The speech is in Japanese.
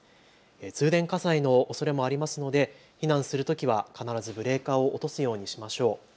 通電火災のおそれもありますので避難するときは必ずブレーカーを落とすようにしましょう。